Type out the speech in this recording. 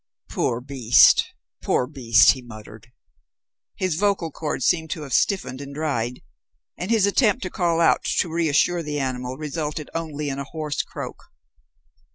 "Poor beast. Poor beast," he muttered. His vocal chords seemed to have stiffened and dried, and his attempt to call out to reassure the animal resulted only in a hoarse croak.